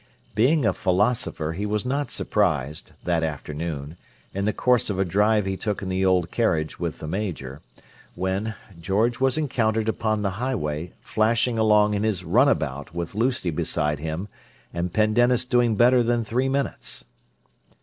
Being a philosopher he was not surprised, that afternoon, in the course of a drive he took in the old carriage with the Major, when, George was encountered upon the highway, flashing along in his runabout with Lucy beside him and Pendennis doing better than three minutes.